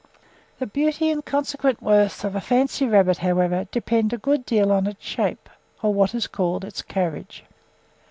The beauty and consequent worth of a fancy rabbit, however, depends a good deal on its shape, or what is styled its carriage.